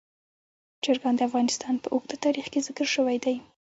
چرګان د افغانستان په اوږده تاریخ کې ذکر شوی دی.